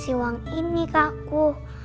kasih uang ini ke aku